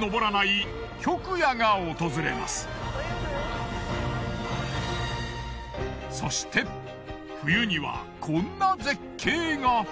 冬はそして冬にはこんな絶景が。